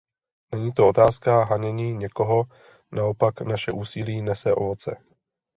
Není to otázka hanění někoho, naopak, naše úsilí nese ovoce.